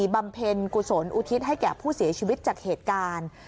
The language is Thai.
เพ็ญกุศลอุทิศให้แก่ผู้เสียชีวิตจากเหตุการณ์